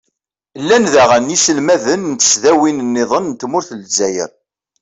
llan daɣen yiselmaden n tesdawin-nniḍen n tmurt n lezzayer.